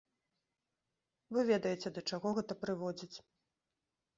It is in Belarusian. Вы ведаеце, да чаго гэта прыводзіць.